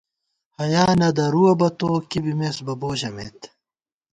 حیا نہ درُوَہ بہ تُو ، کی بِمېس بہ بو ژَمېت